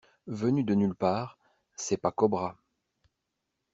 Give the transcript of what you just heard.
Venu de nulle part, c'est pas Cobra.